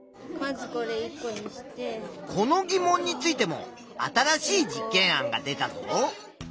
この疑問についても新しい実験案が出たぞ。